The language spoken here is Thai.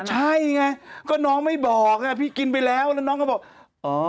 ใช่ไงก็น้องไม่บอกอ่ะพี่กินไปแล้วแล้วน้องก็บอกอ๋อ